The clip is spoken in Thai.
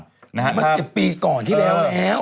เป็นเรื่องมา๑๐ปีก่อนที่แล้วแล้ว